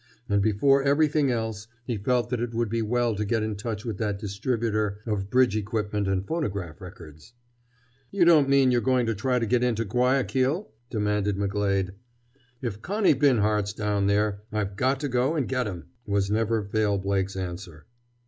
And before everything else he felt that it would be well to get in touch with that distributor of bridge equipment and phonograph records. "You don't mean you're going to try to get into Guayaquil?" demanded McGlade. "If Connie Binhart's down there I've got to go and get him," was Never Fail Blake's answer.